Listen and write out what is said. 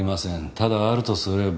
ただあるとすれば。